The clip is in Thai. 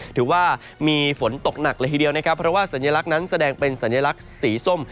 ถือว่ามีฝนตกหนักเลยทีเดียวนะครับเพราะว่าสัญลักษณ์นั้นแสดงเป็นสัญลักษณ์สีส้ม